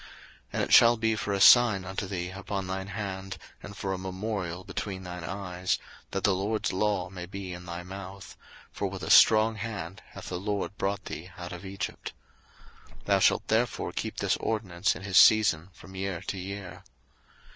02:013:009 And it shall be for a sign unto thee upon thine hand, and for a memorial between thine eyes, that the LORD's law may be in thy mouth: for with a strong hand hath the LORD brought thee out of Egypt. 02:013:010 Thou shalt therefore keep this ordinance in his season from year to year.